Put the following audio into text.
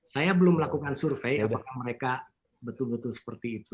saya belum melakukan survei apakah mereka betul betul seperti itu